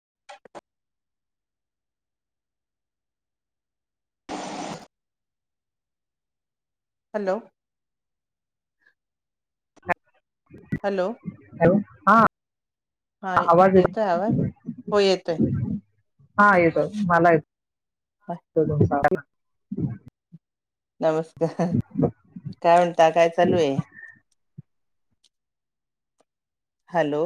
[inaudible] Hello? Hello? हा हा, आवाज येतो येतोय आवाज? हो येतोय. हा येतोय, मला येतोय. [inaudible] नमस्कार! काय म्हणता? काय चालू आहे? हॅलो?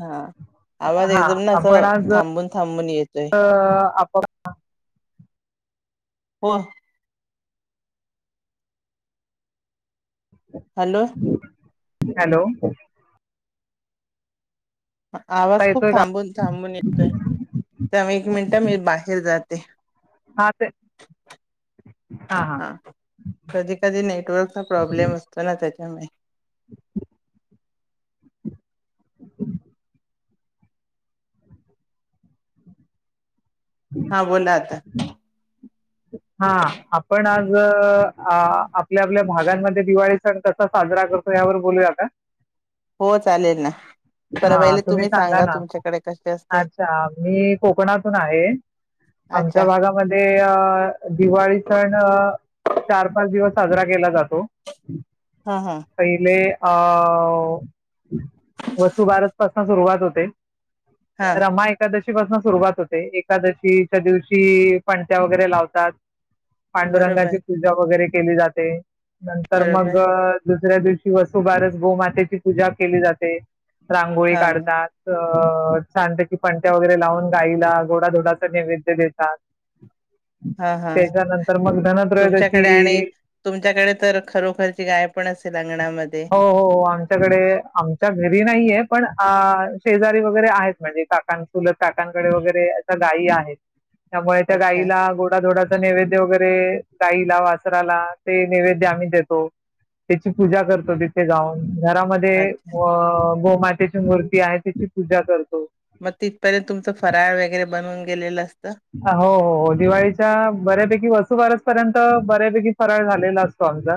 हा आवाज हा, एकदम ना आपण असं आज थांबून थांबून येतोय आप हो. हॅलो? हॅलो? आता आवाज खूप, येतोय का थांबून थांबून येतोय. थांब एक मिनिटं, मी बाहेर जाते. हा ते हा, कधी कधी नेटवर्कचा प्रॉब्लेम असतो ना, त्याच्यामुळे [inaudible] हा, बोला आता. हा, आपण आज आपल्या आपल्या भागांमध्ये दिवाळी सण कसा साजरा करतात, यावर बोलूया का? हो, चालेल ना. पर हा, पहिले तुम्ही सांगा ना. तुमच्याकडे कशी असते अच्छा! मी कोकणातून आहे. अच्छा आमच्या भागामध्ये अ दिवाळी सण, चार पाच दिवस साजरा केला जातो. हा हा. पहिले अ, वसुबारत पाासून सुरुवात होते. हा रमाय एकादशीपासून सुरुवात होते, एकादशीच्या दिवशी पणत्या वगैरे लावतात. बरोबर पांडुरंगाची पूजा वगैरे केली जाते. नंतर बरोबर मग दुसऱ्या दिवशी शिवसुभारच गोमातेची पूजा केली जाते, रांगोळी हा काढतात. अ [unintelligible] की पणट्या वगैरे लावून गाईला गोडाधोडाच नैवेद्य देतात. हा हा त्याच्यानंतर मग धनत्रयत तुमच्याकडे आणि दशी तुमच्याकडे तर खरोखरची गाय पण असेल अंगणामध्ये हो हो हो, आमच्याकडे आमच्या घरी नाहीये पणआ शेजारी वगैरे आहेत म्हणजे काकन चुलत काकांकडे वगैरे गायी आहेत त्यामुळे त्या अच्छा गाईला गोडा, धोडा नैवेद्य वगैरे गाईला वासराला ते नैवेद्य आम्ही देतो त्याची पूजा करतो तिथे जाऊन घरामध्ये अच्छा अ गोमाते मूर्ती आहे त्याची पूजा करतो मग तिथपर्यंत तुमचं फराळ वगैरे बनवून गेलेलं असतं हो, हो दिवाळीच्या बऱ्यापैकी वसूबारस पर्यंत बऱ्यापैकी फराळ झालेला असतो आमचा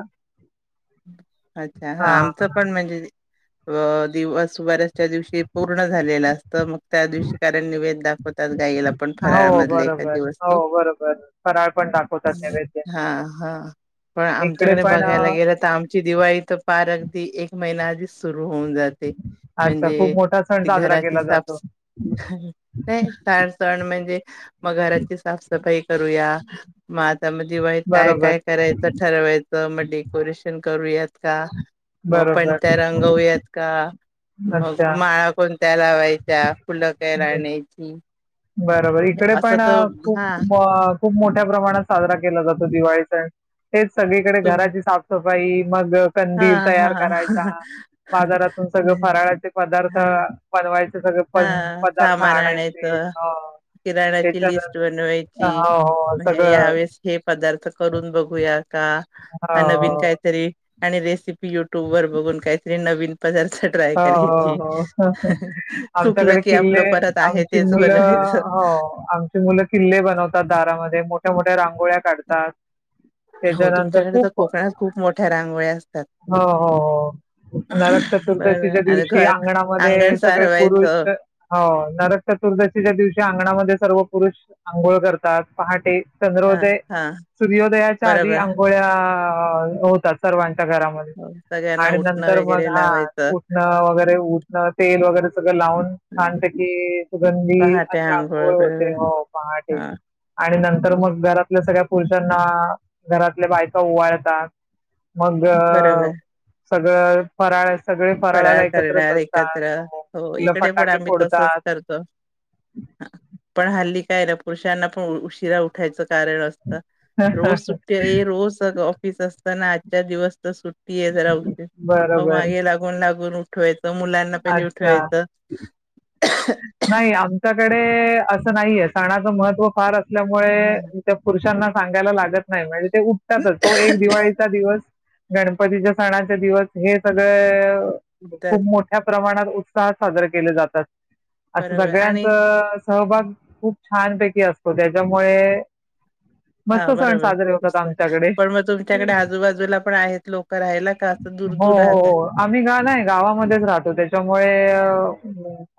अच्छा हा हां. आमचं पण म्हणजे अ दिवस भर च्या दिवशी पूर्ण झालेला तर मग त्या दिवशी कारण निवेद दाखवतात गाईला पण हो, फराळमधले बरोबर. एखादि वस हो बरोबर फराळ पण दाखवतात नैवेद्य. हा, हा पण इकडे आमच्याकडे पण बघायला अ, गेलं त आमची दिवाळी तर पार अगदी एक महिनाधी सुरु होऊन जाते अच्छा खूप म्हणजे मोठा सण ते साजरा घराची केला साप जातो. नाही सण, सण म्हणजे मग घराची साफसफाई करूया मग आता म दिवाळीत काय, बरोबर, काय कराय ठरवायचं मग डेकोरेशन करूयात का मग बरोबर. पणत्या रंगवूयात का मग अच्छा. माळा कोण त्या लावायच्या फुलं काही हं. लाायनी बरोबर इकडे पण खूप, हा खूप मोठ्या प्रमाणात साजरा केला जातो दिवाळी सण हेच सगळीकडे तुम घराची साफसफाई मग हा कंदील तयार करायचा हा. बाजारातून सगळं फराळाचे पदार्थ हा बनवायचे सगळे पण हा पद पदार्थ सामान आणायचे आणायचं ह किराणाची त्याच्यान लिस्ट बनवायची. हा हो सगळं यावेेळेस हे पदार्थ करून बघूया का हा नवीन हो. काहीतरी आणि रेसिपी युट्यूब वर बघून काहीतरी नवीन पदार्थ ट्राय करायची हो, हो, हो. चुकलं आमच्याकडे की किल्ले आपलं परत आहे आमची तेच मुलं बनवायचं हो, आमची मुलं किल्ले बनवतात दारामध्ये मोठ्या, मोठ्या रांगोळ्या काढतात ते हो जर अस तुमच्याकडे तर खूप कोकणात खूप मोठ्या रांगोळ्या असतात हो, हो, हो नरक बर चतुर्दशीच्या आणि दिवशी घर अंगण अंगणामध्ये सगळे सारवायचं पुरुष हो नरक चतुर्दशीच्या दिवशी अंगणामध्ये सर्व पुरुष आंघोळ करतात पहाटे हा चंद्रोदय, हा सूर्योदयाच्या आधी बरोबर आंघोळ्या होउन जाता सर्वांच्या घरामध्ये हो सगळ्यांना आणि उठणं नंतर मग वगैरे हा लावायचं. उठणं वगैरे उठणं तेल वगैरे सगळं लावून छान पैकी सुगंधी पहाटे अशी आंघोळ अंघोळ बरोबर होते हो पहाटे हा आणि नंतर मग घरातल्या सगळ्या पुरुषांना घरातल्या बायका ओवाळतात मग बरोबर सगळं फराळ सगळे फराळ फराळाला एकत्र करणार बसतात एकत्र म मग हो मुलं इकडे पण फटाके आम्ही तसच फोडतात करतो पण हल्ली काय ना पुरुषांना पण उशिरा उठायचं कार रोज सुट्टी ए रोज तर ऑफिस असतना आजच्या दिवस तर सुट्ट ती ए जरा उशीर मग बरोबर मागे लागून, लागून उठवायचं मुलांना पहिली अच्छा उठवायचं नाही आमच्याकडे असं नाहीये सणाचं महत्त्व फार असल्यामुळे हा त्या पुरुषांना सांगायला लागत नाही म्हणजे ते उठतातच तो एक दिवाळीचा दिवस गणपतीच्या सणाचे दिवस हे सगळ उठतात खूप मो त्या प्रमाणात उत्साहात साजरे केले जातात. अस बरोबर सगळ्याच आणि सहभाग खूप छानपैकी असतो. त्याच्यामुळे हा मस्त सण बरोबर. साजरे होतात मस्त आमच्याकडे. पण मग तुमच्याकडे आजूबाजूला पण आहेत लोक राहायला का अस हो, दूर दूर हो, राहतात. हो. आम्ही का? नाही गावामध्येच राहतो त्याच्यामुळे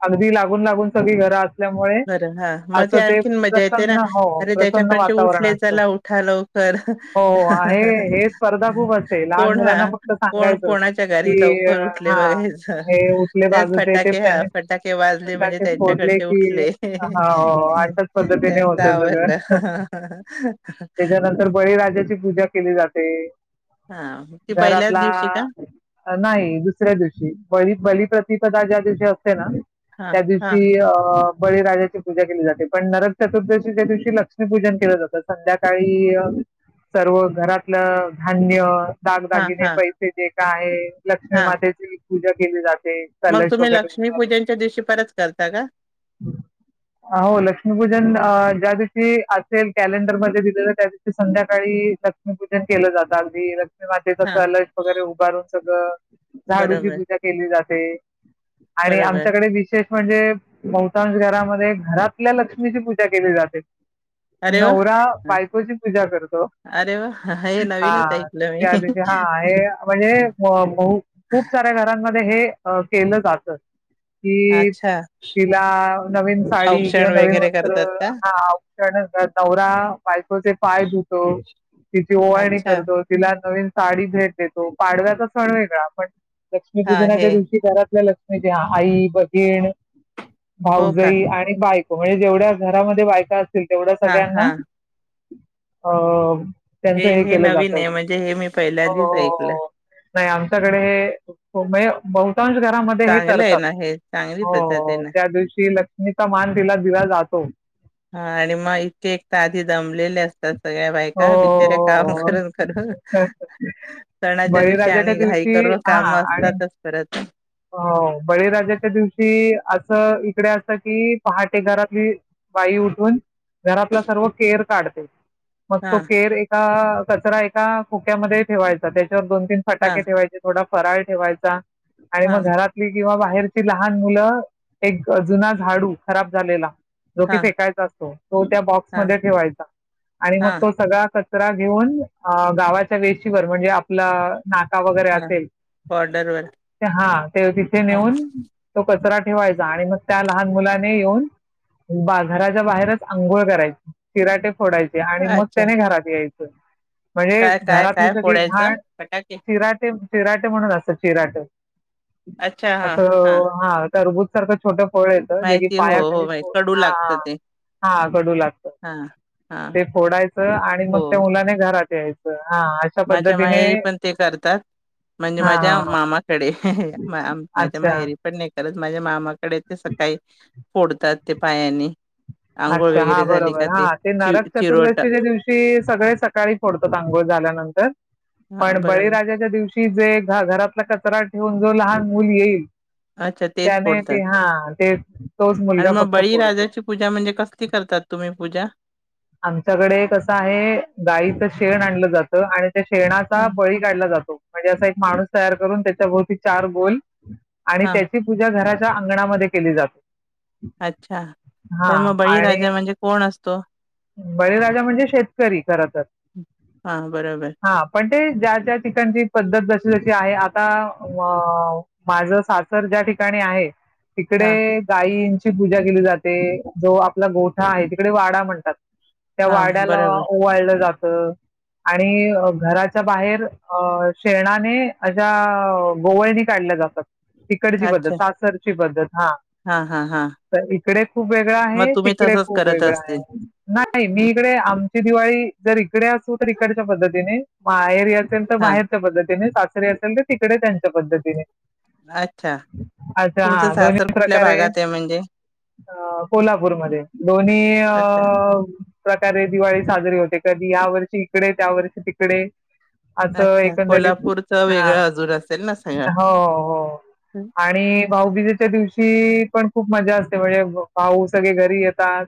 अगदी लागून लागून सगळी घरात बर हा मध्ये आणखीन मजा येते ना, प्रसन्न हो अरे प्रसन्न त्याच्याकडचे वातावरण उठले असतं. चला उठाल हो हो आहे हे स्पर्धा खूप असते लहान कोण मुलांना हा फक्त कोण सांगायचं कोणा घरी की लवकर उठले हा वैगरे हे उठले त्यात बाजूचे ते फटाके ह त्यांनी फटाके वाजले म्हणजे फटाके फोडले त्यांच्याकडचे की उठ ले हा अशाच पद्धतीने त्याच होतं आवरल. सगळं त्याच्यानंतर बळीराजाची पूजा केली जाते. हा. ती पहिल्याच दिवशी घरातला का? नाही दुसऱ्या दिवशी. बळी बलिप्रतिपदा ज्या दिवशी असते ना हा त्या हा दिवशी अ बळीराजाची पूजा केली जाते, पण नरक चतुर्दशीच्या दिवशी लक्ष्मीपूजन केल जात संध्याकाळी सर्व घरातल धान्य हा दागदाागिने हा पैसे जे का आहे. लक्ष्मी हा मातेची पूजा केली जाते. मग कलश तुम्ही लक्ष्मी वगैरे पूजनच्या दिवशी परत करता का? हो लक्ष्मीपूजन ज्या दिवशी असेल कॅलेंडरमध्ये दिलेल त्या संध्याकाळी लक्ष्मीपूजन केल जात अगदी हा मच अलज वगैरे उभारून सगळ.. झाडूची बरोबर पूजा केली जाते आणि आमच्या बरोबर विशेष म्हणजे बहुताश घरामध्ये घरातल्या लक्ष्मीची पूजा केली जाते. अरे नवरा वा बायकोची पूजा करतो. अरे वा! हे हा नवीनच ऐकलं मी. त्या दिवशी. हा हे म्हणजे खूप साऱ्या घरांमध्ये हे अ केल जात. ती - अच्छा. तिला नवीन साडी किंवा औक्षण नवीन वगैरे वस्त्र करतात का? हा औषण च. नवरा पाय धुतो. तिची ओवाळ णी अच्छा. करतो. तिला नवीन साडी भेट देतो. पाडव्याचा सण वेगळा पण, हां, हे. लक्ष्मीपूजनाच्या दिवशी घरातल्या लक्ष्मी त्या आई, बहिण हो का? भाऊजई आणि बायको म्हणजे जेवढ्या घरामध्ये बायका असतील तेवढ्या हां, सगळ्यांना हां. अ हे त्यांचं हे केलं नवीन जातं आहे म्हणजे हे मी हो पहिल्यांदीच हो ऐकल. हो. नाही आमच्याकडे हे म्हणजे बहुतांश घरामध्ये हे चांगलं आहे करतात. ना हे, चांगली पद्धत आहे हो, ना. त्या दिवशी लक्ष्मीचा मान तिला दिला जातो. हा आणि मग इतके एक तर आधी दमलेले असतात. सगळ्या हो, बायका बिचारऱ्या काम हो, हो. करून करून. सणाच्या दिवशी बळीराजाच्या आणि घाई दिवशी करून हां काम आणि असतातच परत हो बळीराजाच्या दिवशी अस इकडे असत की, पहाटे घरातली बाई उठून घरातला सर्व केअर काढते. मग तो हां, केर एका कचरा एका खोक्यामध्ये ठेवायचा. त्याच्यावर दोन तीन हां, फटाके ठेवायचे. थोडा फराळ ठेवायचा. आणि हां, मग घरातली किंवा बाहेरची लहान मुल एक जुना झाडू खराब झालेला जो की हां, फेकायचा असतो तो त्या हां, बॉक्समध्ये ठेवायचा आणि मग हां, तो सगळा कच. करा घेऊन अ गावाच्या वेशीवर म्हणजे आपला नाका वगैरे हां. असेल. बॉर्डरवर. ते हा ते तिथे हां. नेऊन तो कचरा ठेवायचा आणि मग त्या लहान मुलाने येऊन. बाजराच्या बाहेरच आंघोळ करायची शिराटे फोडायचे. ते आणि मग अच्छा. त्याने घरात यायचं. म्हणजे काय, काय, घरातली काय सगळी घाण फोडायचं? फटाके? चिराटे चिराटे म्हणून असत चिराट. अच्छा हां हां असं हा तरबुज. सारखं छोट फोळ येतं जे की माहिती हो पायाखाली हो माहि कडू हा लागतं ते हा हा घडू लागतं. हां हां ते फोडायचं आणि मग हो त्या मुलाने घरात यायचं हा. अशा माझ्या पद्धतीने माय पण ते करतात म्हणजे हा माझ्या हा मामा. कडे माझ्या अच्छा माहेरी पण नाही करत माझ्या मामाकडे ते सकाळी. फोडतात ते पायांनी. अच्छा हा बरोबर हा ते चि नरक चिरोट चतुर्दशीच्या दिवशी. ते सगळे सकाळी फोडतातंघोळ झाल्यानंतर हां पण बरोबर बळीराजाच्या दिवशी. ती जे घरातला कचरा ठेवून जो लहान मूल येईल. अच्छा तेच त्याने ते फोडतात हा ते तोच आणि मुलगा मग फक्त पोडतो. बळीराजाची पूजा म्हणजे कसली करतात तुम्ही पूजा. आमच्याकडे कसं आहे गाईचं शेण आणलं जातं आणि त्या शेणाचा हां बळी. काढला जातो म्हणजे अस एक माणूस तयार करून त्याच्या भोवती चार गोल आणि हां त्यांच्या. पूजा घराच्या अंगणामध्ये केली जात. अच्छा पण मग बळीराजा म्हणजे कोण असतो. बळीरा म्हणजे शेतकरी खरतर हां बरोबर हा. पण ते ज्या ज्या ठिकाणची पद्धत जशी जशी आहे आता वाव. माझं सासर ज्या ठिकाणी आहे. तिकडे हां गायंची पूजा केली जाते जो आपला गोठा आहे तिकडे वाडा म्हणतात. त्या हां वाड्याला बरोबर ओवाळलं जातं. आणि घराच्या बाहेर अ शेणाने अशा गोवळनी. काढलं जातात तिकडची पद्धत अच्छा सासरची पद्धत हा. हां हां हां तर इकडे खूप वेगळां मग आहे तुम्ही तिकडे तसंच खूप करत वेगळां असतील आहे. नाही मी इकडे आमची दिवाळी जर इकडे असू तर इकडच्या पद्धतीने माहेरी असेल. हा बाहेरच्या पद्धतीने सासरी असेल तर तिकडे त्यांच्या पद्धतीने. अच्छा अच्छा तुमचं हा सासर दोन्ही कुठल्या प्रकारे भागात आहे म्हणजे. अ कोल्हापूरमध्ये दोन्ही अ. अच्छा प्रकारे दिवाळी साजरी होते कधी या वर्षी इकडे त्या वर्षी तिकडे. असं अच्छा एकंदरीत कोल्हापूरचं हा वेगळं अजून असेल ना सगळं हो हो, आणि भाऊबीजेच्या दिवशी पण खूप मजा असते म्हणजे भाऊ सगळे घरी येतात.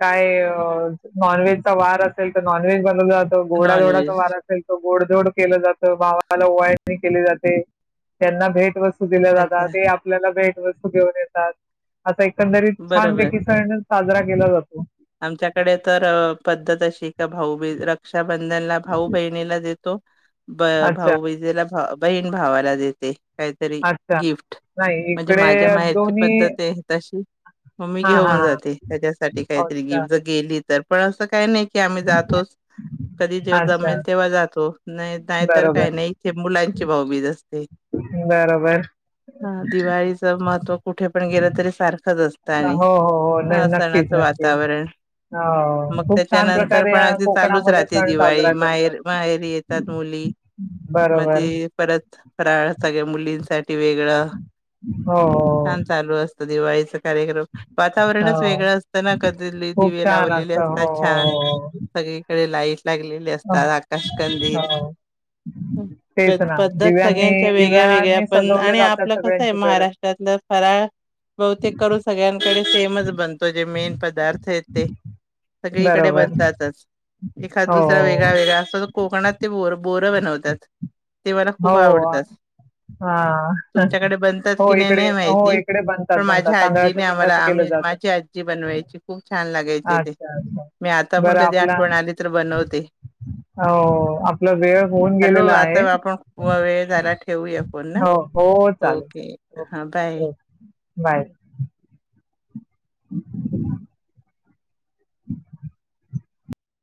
काय नॉनव्हेजचा वार असेल तर नॉनव्हेज बनवलं जातं गोडा जोडाचा नॉनव्हेज वार असेल. गोड धोड केलं जात भावाला ओवाळणी केली जाते त्यांना भेट वस्तू. खूप दिले जातात अच्छा ते आपल्याला भेट वस्तू घेऊन येतात अस एकंदरीत बरोबर छानपैकी सगळे जण. साजरा केला जातो. आमच्याकडे तर अ पद्धत अशी का भाऊबीज रक ''--'' रक्षाबंधनला भाऊ बहिणीला देतो ब अच्छा, भाऊ बीजेला भा ''--'' बहीण भावाला देते. काहीतरी अच्छा. गिफ्ट नाही म्हणजे इकडे माझ्या माहेरची दोन्ही पद्धत हाय तशी. मग मी हां, हां, घेऊन हां. जाते त्याच्यासाठी काहीतरी अच्छा, गिफ्ट जर गेली तर पण असं काही नाही की आम्ही जातोच कधी जेव्हा जमेल अच्छा. तेव्हा जातो नाही नाहीतर बरोबर, काही नाही इथे मुलांची भाऊबीज असते. [inaudible] बरोबर हां दिवाळीचं महत्व कुठे पण गेलं तरी सारखंच असतंय आणि हो, हो, हो. नाही हा नक्कीच, सणाचं नक्कीच. वातावरण मग हो. खूप छान त्याच्यानंतर प्रकारे पण अ, अगदी चालूच कोकणामध्ये राहते सण दिवाळी साजरा करतात. माहेर माहेरी येतात मुली मग बरोबर. ते परत राळ सगळ्या मुलींसाठी वेगळं हो, हो. चालू असतं दिवाळीचा कार्यक्रम वातावरणच हो. वेगळं असतं ना कदिली खूप दिवे छान लावलेले असतं. असतात हो, छान हो, सगळीकडे लाईट लागले ले हो, हो. असतात अ, आकाश कंदील हो. हम तेच पेद ना. पद्धत दिव्यांनी सगळ्यांच्या वेगळ्या वेगळ्या दिव्यांनी पण सजवले आणि जातात आपलं कसं ये सगळ्यांची घरं. महाराष्ट्रातलं फराळ बहुतेक करून सगळ्यांकडे सेमच बनतो जे मेन पद पदार्थ येत ते सगळीकडे बरोबर. बनतातच एखाद हो, दुसरा व्यक वेगळ वेगळा असतो तो कोकणात ते बोर बोरं बनवतात ते मला खूप हो. हो. आवडतात. हां. तुमच्याकडे बनतात हो, कि नाही इकडे नाही हो, माहिती इकडे बनतात, पण बनतात. माझ्या आजीने तांदळाच्या आम्हाला पिठाचं केलं आम्ही जातं. माज जी आज्जी बनवाय ची खूप छान लागायचे ते अच्छा, अच्छा. मी आता पण बरं कधी आपला आठवण आली तर बनवते. हो आपला वेळ होऊन गेलेला आहे. व वेळ झाला ठेवूया फोन ना हो हो चालेल ओके चालेल ओके हां बाय. Okay bye. [inaudible] [inaudible]